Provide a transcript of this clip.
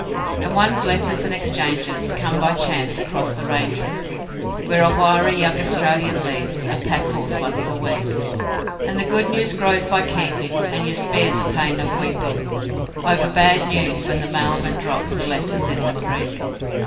And one's letters and exchanges come by chance across the ranges, Where a wiry young Australian leads a pack horse once a week, And the good news grows by keeping, and you're spared the pain of weeping Over bad news when the mailman drops the letters in the creek.